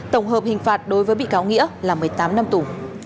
tổng hợp hình phạt đối với bị cáo nghĩa là một mươi tám năm tù